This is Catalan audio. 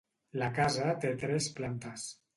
La casa té tres plantes.